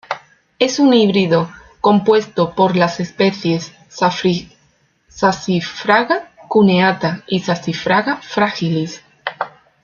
Es un híbrido compuesto por las especies "Saxifraga cuneata" y "Saxifraga fragilis".